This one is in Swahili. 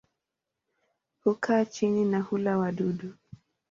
Hukaa chini na hula wadudu.